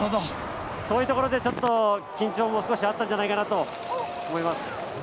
そういうところで緊張も少しあったんじゃないかなと思います。